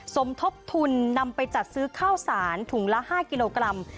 สมทบทุนนำไปจัดซื้อข้าวสารถุงละ๕กิโลกรัม